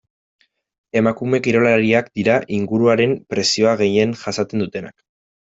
Emakume kirolariak dira inguruaren presioa gehien jasaten dutenak.